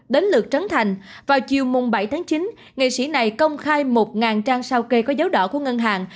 đến lượt trấn thành vào chiều bảy tháng chín nghệ sĩ này công khai một trang sao kê có dấu đỏ của ngân hàng